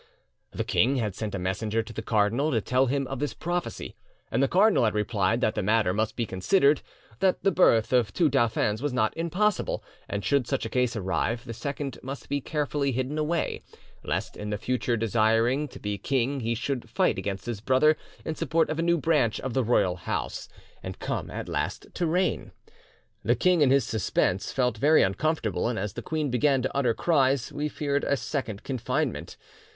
The king had sent a messenger to the cardinal to tell him of this prophecy, and the cardinal had replied that the matter, must be considered, that the birth of two dauphins was not impossible, and should such a case arrive, the second must be carefully hidden away, lest in the future desiring to be king he should fight against his brother in support of a new branch of the royal house, and come at last to reign. "'The king in his suspense felt very uncomfortable, and as the queen began to utter cries we feared a second confinement.